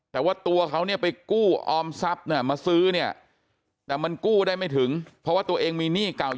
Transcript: แต่ว่าตัวเขาเนี่ยไปกู้ออมทรัพย์นะมาซื้อนี้